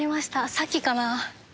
さっきかな。